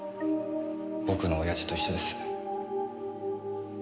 僕の親父と一緒です。